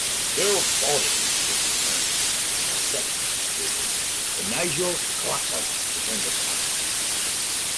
Phil Spalding would return to a session career, and Nigel Glockler returned to Saxon.